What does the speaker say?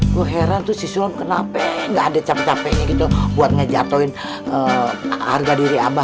gue heran tuh siswa kenapa gak ada capek capeknya gitu buat ngejatuhin harga diri abah